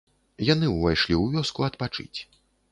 Яны ўвайшлі ў вёску адпачыць.